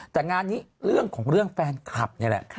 แต่งานนี้เรื่องของเรื่องแฟนคลับนี่แหละ